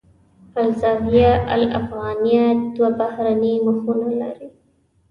الزاویة الافغانیه دوه بهرنۍ مخونه لري.